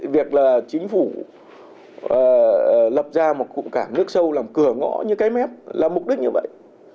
việc là chính phủ lập ra một cụm cảng nước sâu làm cửa ngõ như cái mép là mục đích như vậy